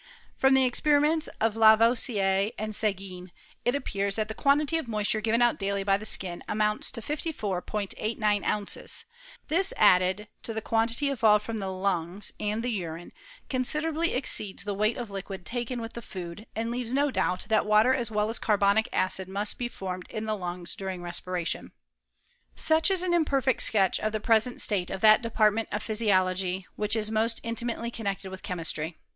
From the ex periments of Lavoisier and Seguin it appears that the quantity of moisture given out daily by the skin amounts to 54*89 ounces: this added to the quantity evolved from the lungs and the urine con siderably exceeds the weight of liquid taken with the food, and leaves no doubt that water as well as carbonic acid must be formed in the lungs dur ing respiration. Such is an imperfect sketch of the present state of that department of physiology which is most in timately connected with Chemistry.